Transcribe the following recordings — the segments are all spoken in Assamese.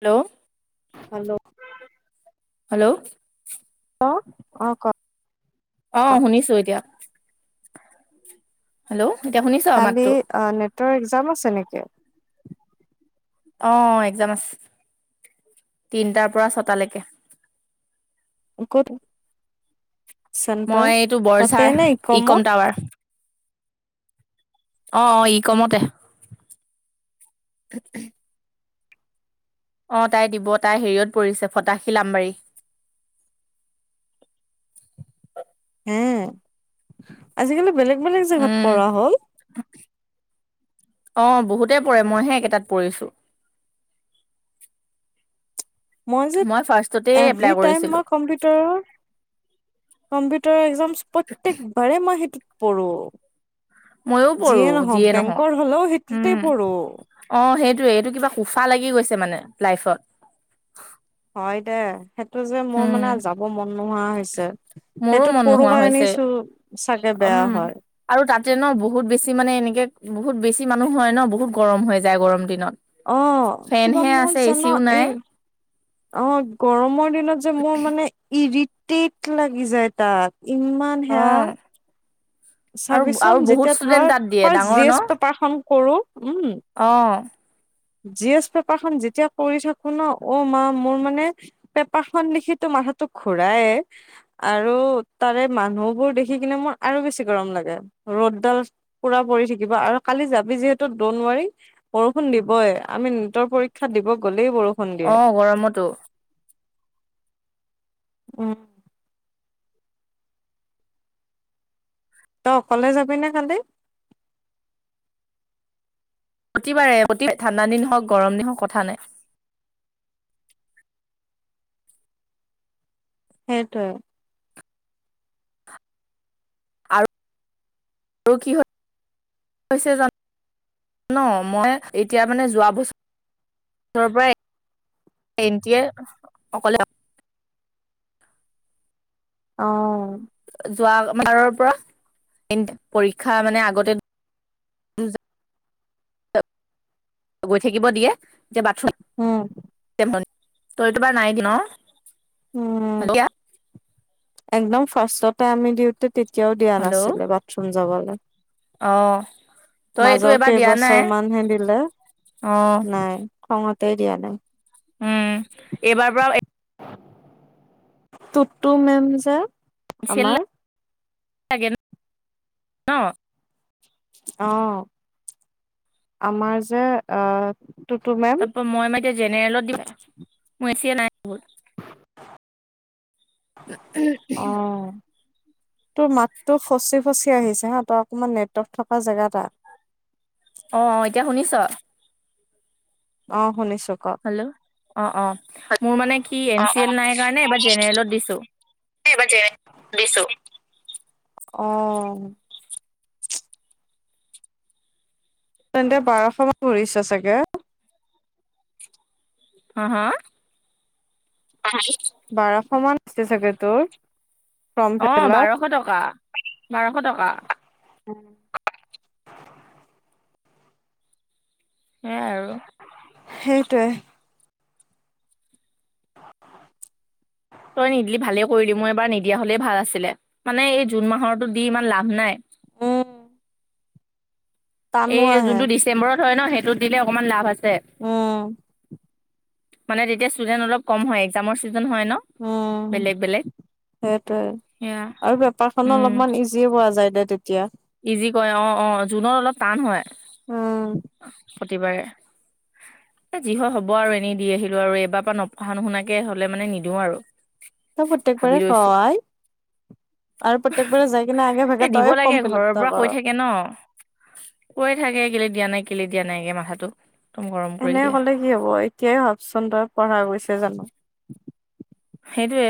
হেল্ল' হেল্ল' হেল্ল', অ অ ক অ শুনিছো এতিয়া হেল্ল' এতিয়া শুনিছ কালি মাতটো নেটৰ এক্জাম আছে নেকি? অ' এক্জাম আছে তিনটাৰ পৰা ছটালৈকে। কত মই চেণ্টাৰ এইটো বৰঝাৰ তাতে নে ই কম ইকমত। অ-অ ইকমতে। তাকে অ তাই দিব তাই হেৰিয়ত পৰিছে ফটাশীলাম্বাৰী [unintelligible] হে আজিকালি বেলেগ বেলেগ জেগাত উম পঢ়া হ'ল অ বহুতে পৰে মইহে একেটাত পৰিছো মই যে ফাৰ্ষ্টতেই এভৰি এপ্লাই টাইম কৰিছিলো মই কম্পিউটাৰৰ কম্পিউটাৰ এক্জামছ প্ৰত্যেকবাৰে মই সেইটোত পঢ়ো ময়ো পৰো যিয়ে নহও নহওক বেংকৰ হলেও উম সেইটোতেই পৰো অ সেইটোৱে এইটো কিবা কোফা লাগি গৈছে মানে লাইফত হয় দে সেইটো যে মোৰ উম মানে যাব মন নোহোৱা হৈছে মোৰো সেইটো মন কৰো নোহোৱা হৈছে কাৰণেই চো চাগে উম বেয়া হয় আৰু তাতে ন বহুত বেছি মানে এনেকে বহুত বেছি মানুহ হয় ন বহুত গৰম হৈ যায় গৰম দিনত। অ কিবা ফেনহে মন আছে জান এচিও নাই এই অ গৰমৰ দিনত যে মোৰ মানে ইৰিটেট লাগি যায় তাক ইমান অ হে আৰু চাবিচোন আৰু বহুত যেতিয়া ধৰ ষ্টুডেন্ট তাত দিয়ে ফাষ্ট জি ডাঙৰ ন এচ পেঁপাৰ খন অ জি এছ পেপাৰখন যেতিয়া কৰি থাকো ন অ মা মোৰ মানে পেপাৰখন লিখো মা টো ঘুৰাই আৰু তাৰে মানুহ বোৰ দেখি কিনে মোৰ আৰু বেছি। ' থ আৰু কালি যি যি দ বৰ দিবই আমি নটৰ পৰীক্ষাত দিব গ'লেো অ গৰমতো উম, তই অকলে যাবি নে কালি। প্ৰতিবাৰে অ ঠাণ্ড দিন হওক গৰম দিন হওক কথা নাই সেইটোৱে। আৰু আৰু কি হয় হৈছে জান ন মই এতিয়া মানে যোৱা বছৰ। ওচৰৰ পৰা এনটে অকলে অ'। যোৱ বাৰৰ পৰা এন তি পৰীক্ষা মানে আগতে গৈ থাকিব দিয়ে। এতিয়া বাথৰুম উম তৰিটো বাৰ নাই কি ন। উম। হেল্ল' একদম ফাৰ্ষ্ট তে আমি দিওঁতে তেতিয়াও দিয়া নাছিলে বাথৰুম যাবলৈ আহ মাজৰ কেইবছৰ মানহে দিলে অ', নাই খঙত। ধেই দিয়া নাই। উম, এইবাৰ পৰাও তুতু মে'ম যে এচিয়েল আমাৰ। লাগে ন। অ', আমাৰ যে আহ তাৰ পৰা মই মই এতিয়া জেনেৰেলত দিয়া মোৰ এছিয় নাই এইবোৰ [inaudible] অ [inaudible] তোৰ মাতটো ফচি ফচি আহিছে তই অকনমান নেটৱৰ্ক থকা জেগা আহ। অ এতিয়া শুনিছ। অ শুনিছো। ক হেল্ল', অ', অ', মোৰ মানে কি এন চি এল নাই কাৰণে এবাৰ জেনেৰেলত দিছো। ব দিছ অ [unintelligible] তেন্তে বাৰশ মান পৰিছে চাগে। হা হা? বাৰ সমান আছে চাগে তোৰ। ফৰ্ম অ', ফিল আপ বাৰশ টকা বাৰশ টকা। [unintelligible] সেয়াই আৰু সেইটোৱে। তই নিদিলি ভালে কৰিলি মোৰ এইবাৰ নিদিয়া হ'লেই ভাল আছিলে। মানে এই জুন মাহৰো দি ইমান লাভ নাই। উম টানো এই আহে যোনতটো ডিচেম্বৰত হয়। ন সেইটোত দিলে অকনমান লাভ আছে। উম। মানে তেতিয়া ষ্টুডেন্ট অলপ কম হয়। এক্জামৰ ছিজন হয় ন বেলেগ বেলেগ। সেইটোৱে সেয়া আৰু বেপাৰখনো উম অলপমান ইজিয়ে পোৱা যায় দে তেতিয়া। ইজি কয় অ অ জুনত অলপ টান হয়। উম প্ৰতিবাৰে। এ যি হয় হ'ব আৰু এনেই দি আহিলো আৰু এইবাৰ পৰা নপঢ়া নুশুনাকে হ'লে মানে নিদিও আৰু। তই ভাবি প্ৰত্যয়েকবাৰে লৈছো আই। আৰু প্ৰতেকবাৰে যাই কিনে আগে ভাগে তই এতিয়া ঘৰৰ পৰা কৈ থাকে ন কৈ থাকে কেলে দিয়া নাই। কেলে দিয়া নাই এই মাহৰটো। এনে ক'লে কি হ'ব। এতিয়াই ভাবচোন তই পঢ়া গৈছে জানো। সেইটোৱে।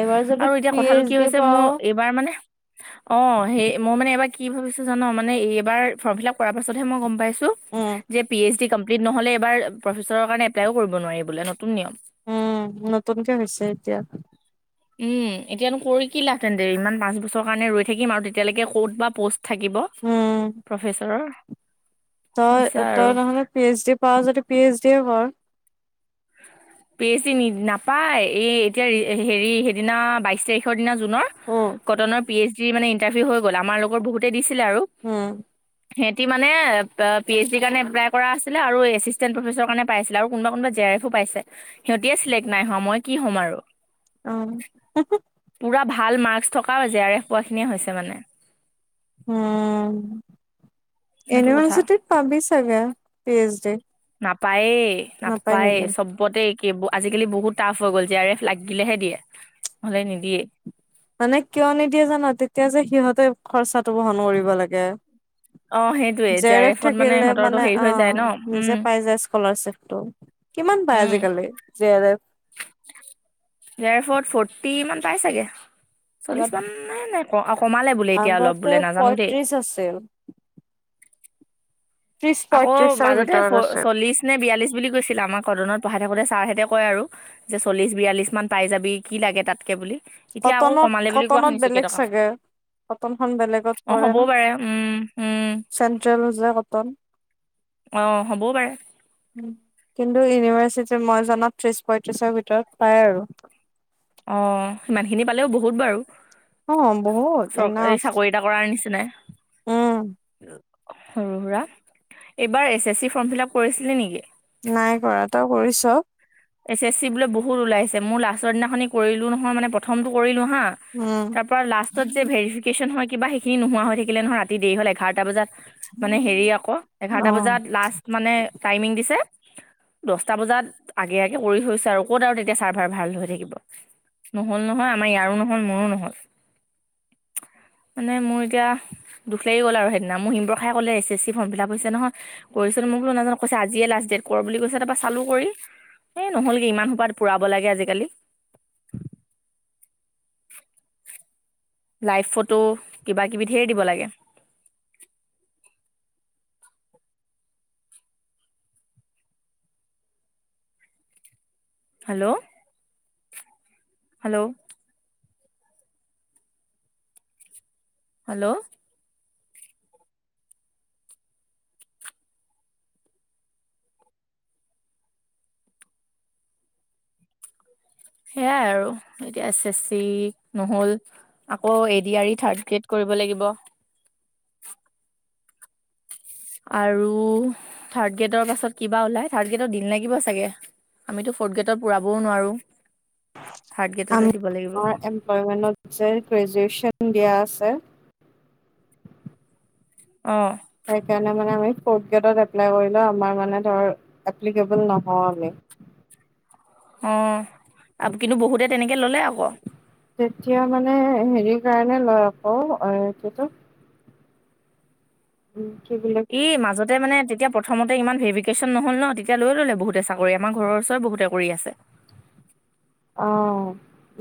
এইবাৰ যদি আৰু এতিয়া পি কথাটো এইচ কি ডি হৈছে মোৰ পাও এইবাৰ মানে অ সেই মই মানে এইবাৰ কি ভাবিছো জান মানে এইবাৰ ফৰ্ম ফিল আাপ কৰাৰ পাছতহে মই গম পাইছো। উম যে পি এছ ডি কম্পিট নহ'লে বোলে প্ৰফেচৰ কাৰণে এপ্লাই কৰিব নোৱাৰি বোলে। নতুন নিয়ম উম, নতুনকে হৈছে এতিয়া। উম, এতিয়ানো কৰি কি লাহ তেন্ত ইমান পাঁচ বছৰ কাৰণে ৰৈ থাকিম আৰু তেতিয়ালৈকে ক'ত বা পষ্ট থাকিব উম প্ৰফেচৰৰ তই তই নহ'লে পি এইচ ডি পাৰ যদি পি এইচ ডি কৰ। বেছি নাপায় এই এতিয়া হেৰি সেইদিনা বাইশ তাৰিখৰ দিনা। জুনৰ উম কটনৰ পি এছ দি মানে ইণ্টাৰভিউ হৈ গল আমাৰ লগৰ বহুতে দিছে। ছিলে আৰু উম সেতি মানে পি এইছ দিৰ কাৰণ এপ্লাই কৰা আছিলে আৰু এচিষ্টেণ্ট প্ৰফেচৰ কাৰণে পছিল আৰু কোনোবা কোনবা জে আৰ এফও পাইছে। সিহতিয় চিলেক্ট নাই হোৱা মই কি হ'ম আৰু। অ', পুৰা ভাল মাৰ্কছ থকা জে আৰ এফ পোৱাখিনিয়ে হৈছে মানে। উম, সেইটো কথা ইউনিভাৰ্চিটিত পাবি চাগে, পি এইচ ডি। নাপায় নাপায়-নাপায়ে নেকি? চব্বতে আজিকালি বহুত টাফ হৈ গ'ল যে আৰ এফ লাগ গিলেহে দিয়ে নহ'লে নিদিয়ে। মানে কিয় নিদিয়ে জান তেতিয়া যে সিহঁতে খৰচাটো বহন কৰিব লাগে। অহ, জেৰেফ থাকিলে মানে অ যায় ন উম নিজে পাই যায় স্কলাৰিপ টো কিমান পাই। উম আজিকালি, J R F J R এফত ফৰ্টি মান পাই চাগে। চল্লিশ আগত মাননে নাই কমালে বোলে এতিয়া অলপ আগতে বোলে নাজানো দেই। পয়ত্ৰিশ আছিল। [unintelligible] ত্ৰিশ আকৌ পয়ত্ৰিশৰ মাজতহে ভিতৰত আছে চল্লিশ নে বিয়াল্লিশ বুলি কৈছিল আমাৰ কটনত পঢ়াই থাকোঁতে ছাৰহঁতে কয় আৰু যে চল্লিছ বিয়াল্লিছ মান পাই যাবি কি লাগে তাতকে বুলি। এতিয়া আকৌ কটনত কমালে বুলি কোৱা কটনত শুনিছো বেলেগ কেইটকামান চাগে। কটনখন বেলেগত অ পৰে হ'বও ন পাৰে উম উম চেন্ট্ৰেল যে কটন অ হ'বও পাৰে [inaudible] কিন্তু ইউনিভাৰ্চিটি মই জনাত ত্ৰিশ পঁয়ত্ৰিশৰ ভিতৰত পাই আৰু। অ' সিমান খিনি পালেও বহুত বাৰু। অ বহুত চৰকাৰী এনাফ চাকৰি এটা কৰাই নিচিনাই। উম সৰু-সুৰা, এইবাৰ S S C form fill up কৰিছিলি নেকি? নাই কৰা তই কৰিছ? এছ এছ চি বোলে বহুত ওলাইছে মোৰ লাষ্টৰ দিনাখনি কৰিলো নহয় মানে প্ৰথমতটো কৰিলো। হা উম। তাৰ পৰা লাষ্টত যে ভৰিফিকন হয় কিবা সেইখিনি ন হৈ থাকিলে নহয় ৰাতি দেৰি হল। এঘাৰটা বজাত মানে হেৰি আকৌ এঘাৰটা অ', বজাত লাষ্ট মানে টাইমিং দিছে। দছটা বজাত আগে-আগে কৰি থৈছো আৰু ক'ত আৰু তেতিয়া চাৰ্ভাৰ ভাল হৈ থাকিব। নহল নহয় আমাৰ ইয়াৰো নহল মোৰো নহল। মানে মোৰ এতিয়া দুখলাগি গ'ল আৰু সেইদিনা মোৰ হিমবৰ খাই ক'লে S S C form fill up হৈছে নহয় কৰিছো। মই বো নাজজন কৈছে আজিয়ে লাষ্ট ডেট কৰ বুলি কৈছে তাৰপ পৰা চালো কৰি। এ নহলগে ইমান সোপা পুৰাব লাগে আজিকালি। লাইভ ফটো, কিবা কিবি ধেৰ দিব লাগে। হেল্ল'-হেল্ল' হেল্ল', সেইয়াই আৰু এতিয়া এছ এছ চি নহ'ল আকৌ এডিৰি থাৰ্ড ক্ৰিয়েড কৰিব। [unintelligible] আৰু থাৰ্ড গ্ৰেডৰ পাছত কিবা ওলাই থাৰ্ড গ্ৰেডৰ দিন লাগিব চাগে। আমিতো ফৰ্থ গেটত পুৰাবও নোৱাৰো। থাৰ্ড গ্ৰেডতে দিব লাগিব আমাৰ এমপ্লয়মেন্টত যে গ্ৰেজুৱেশ্যন দিয়া আছে। অ', সেই কাৰণে মানে আমি ফৰড গ্ৰেদত এপ্লাই কৰিলে আমাৰ মনে ধৰ অপ্লিকেবুল নহয় আমি। অ' আৰু কিন্তু বহুতে তেনেকে ললে আকৌ। তেতিয়া মানে হেৰি কাৰণে লয় আকৌ এইটো [inaudible] উম। কি বুলি ই মাজতে মানে তেতিয়া প্ৰথমতে ইমান ভেৰিকেশচন নহ'ল ন তেতিয়া লৈ ল'লে বহুতে চাকৰি আমাৰ ঘৰৰ ওচৰত বহুতে কৰি আছে। [inaudible] অ'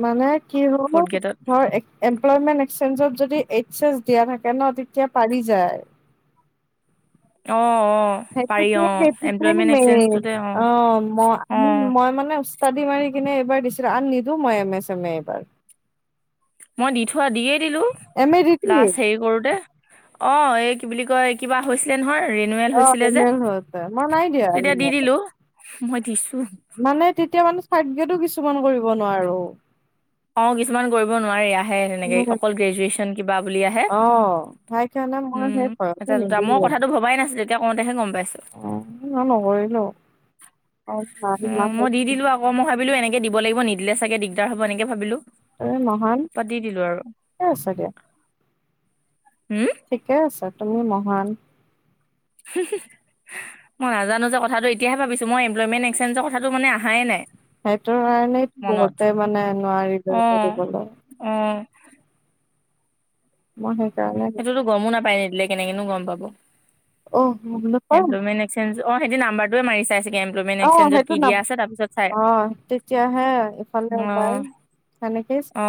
মানে কি হল ফ'ৰ্থ গ্ৰেডত এমপ্লয়মেন্ট এক্সেঞ্জত যদি দিয়া থাকে ন তেতিয়া পাৰি যায় অ', অ', সেইটোকে সেইটোকেই ম এক্সেঞ্জটোতে অঁ অ ম আম অঁ মই মানে উস্তাদ। মাৰি কিনে এইবাৰ দিছিল আন নিদো মই এমে চমে এইবাৰ। মই দি থোৱা দিয়ে দিলো এম এ দি দিম লাষ্ট হেৰি কৰোতে অ', এই কি বুলি কয় কিবা হৈছিলে নহয়। ৰিনুৱেল অ হৈছিলে যে ৰিনেল হওঁতে মই নাই দিয়া তেতিয়া দি ৰিনেল। দিলো মই দিছো মানে তেতিয়া মানে সাগো কিছুমান কৰিব নোৱাৰো। অ' কিছুমান কৰিব নোৱাৰি হে হেনেকে উম অকল গ্ৰেজুৱেচন কিবা বুলি আহে অ সেইকাৰণে মই সেই ভয়তে এটা দুটা নিদিলোৱে কথাটো ভবাই নাছিলোতি এতিয়া কওঁতেহে গম উ অ মই নকৰিলো অ মই দি দিলো আকৌ মই ভাবিলো এনে দিব লাগিব নিদিলে চাগে দিগদাৰ হ'ব এনেকে ভাবিলো। এ মহান এই আছোগে হুম ঠিকে আছে তুমি মহান [unintelligible] মই নাজানো যে কটো এতিয়াহে ভাবিছো মই এম্প্লয়মেট একসেঞ্জৰ কথাটো মানে অহাইে নাই সেইটোৰ কাৰণেইটো মনত বহুতে মানে নোৱাৰিলে অ কৰিবলৈ অ মই সেই সেইটোতো গমো নাপায় নিদিলে কেনেকেন গম পাব। অ' নাপ এমপ্লয়মেন্ট এক্সেঞ্জ অ 'সেইটো নাম্বাৰটোৱ মি চাইছে অ', সেইটো নাম অ', তেতিয়াহে ইফালে অ ওলাই তেনেকেই অ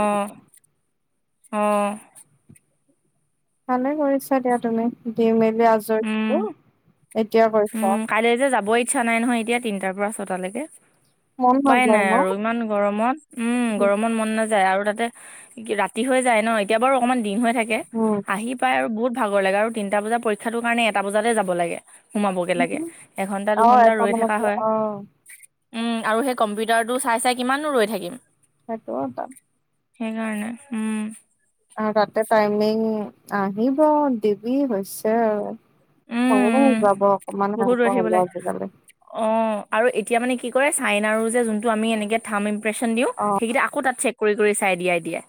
অ', ভালে কৰিছা দিয়া তুমি দি মেলি আজৰি উম এতিয়া কৈছা উম কাইলৈ যে যাব ইচ্ছা নাই নহয় এতিয়া তিনটাৰ পৰা ছটালৈকে মন উপায় নাযায় নাই ন আৰু ইমান গৰমত উম গৰমত মন নাযায়। আৰু তাতে ৰাতি হৈ যায় ন এতিয়া বাৰু অকণমান দিন হৈ থাকে উম আহি পায় আৰু বহুত ভাগৰ লাগে আৰু তিনিটা বজাৰ পৰীক্ষাটোৰ কাৰণে এটা বজাতে যাব লাগে। সোমাবগে লাগে এঘণ্টা অ দুঘণ্টা এটা ৰৈ থকা মানতে হয়। অ উম আৰু সেই কম্পিউটাৰটো চাই চাই কিমানো ৰৈ থাকিম। [inaudible] সেইকাৰণে উম আৰু তাতে টাইমিং আহিব দিবি হৈছে উম আৰু হয় উম যাব অকমান বহুত ৰৈ সেনেকুৱা থাকিব হ'ব লাগে আজিকালি অ আৰু এতিয়া মানে কি কৰে চাইন আৰু যে যোনটো আমি এনেকে থাম ইম্প্ৰেশচন দিওঁ অ সেইকেইটা আকৌ তাত চেক কৰি কৰি চাই দিয়াই দিয়াই